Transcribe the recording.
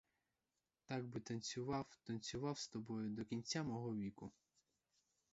Так би танцював, танцював з тобою до кінця мого віку.